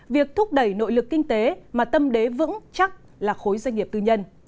việc thúc đẩy nội lực kinh tế mà tâm đế vững chắc là khối doanh nghiệp tư nhân